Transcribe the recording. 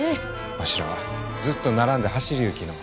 わしらはずっと並んで走りゆうきのう。